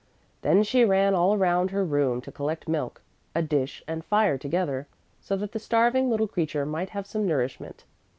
Then she ran all around her room to collect milk, a dish and fire together, so that the starving little creature might have some nourishment.